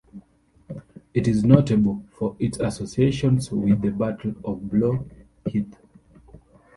It is notable for its associations with the Battle of Blore Heath.